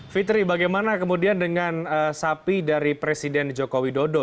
fitri bagaimana kemudian dengan sapi dari presiden jokowi dodo